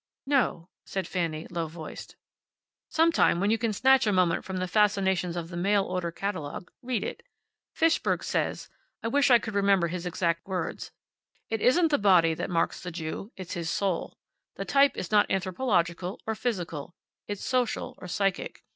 "No," said Fanny, low voiced. "Sometime, when you can snatch a moment from the fascinations of the mail order catalogue, read it. Fishberg says I wish I could remember his exact words `It isn't the body that marks the Jew. It's his Soul. The type is not anthropological, or physical; it's social or psychic.